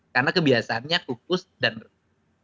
karena kebiasaannya kukus dan rebus